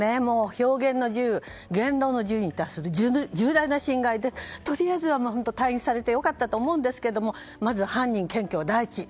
表現の自由言論の自由に対する重大な侵害でとりあえず退院されて良かったと思うんですけれどもまず犯人検挙第一。